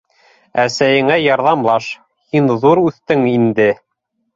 - Әсәйеңә ярҙамлаш, һин ҙур үҫтең инде!